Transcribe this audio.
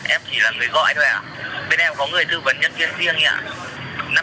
em chỉ là người gọi thôi ạ bên em có người thư vấn nhân viên riêng ấy ạ